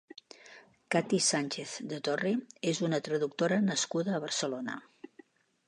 Katy Sánchez de Torre és una traductora nascuda a Barcelona.